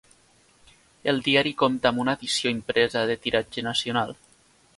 El diari compta amb una edició impresa de tiratge nacional.